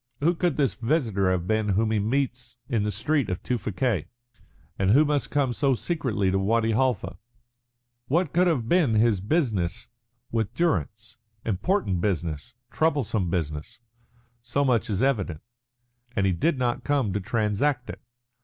Who could this visitor have been whom he meets in the street of Tewfikieh, and who must come so secretly to Wadi Halfa? What can have been his business with Durrance? Important business, troublesome business so much is evident. And he did not come to transact it.